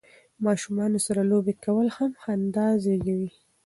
ماشومانو سره لوبې کول هم خندا زیږوي.